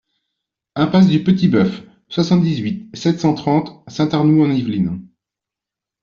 Impasse du Petit Boeuf, soixante-dix-huit, sept cent trente Saint-Arnoult-en-Yvelines